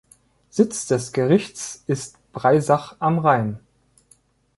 Sitz des Gerichts ist Breisach am Rhein.